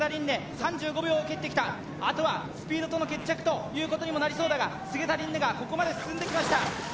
３５秒を切ってきたあとはスピードとの決着ということにもなりそうだが菅田琳寧がここまで進んできました